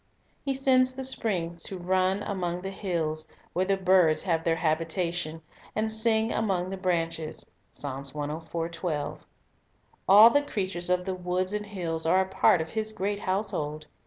He sends the springs to run among the hills, where the birds have their habitation, and "sing among the branches." 1 All the creatures of the woods and hills are a part of His great household.